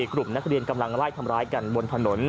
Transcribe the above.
กลุ่มนักเรียนกำลังไล่ทำร้ายกันบนถนน